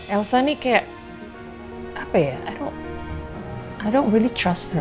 elsa ini kayak apa ya i don't really trust her